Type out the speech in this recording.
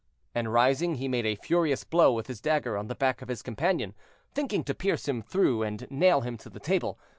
and, rising, he made a furious blow with his dagger on the back of his companion, thinking to pierce him through and nail him to the table.